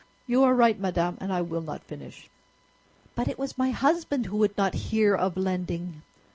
"You are right, madame, and I will not finish." "But it was my husband who would not hear of lending."